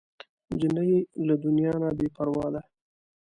نجلۍ له دنیا نه بې پروا ده.